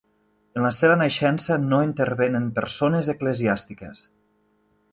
En la seva naixença no intervenen persones eclesiàstiques.